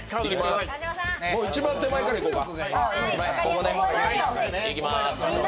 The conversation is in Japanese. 一番手前からいこうか。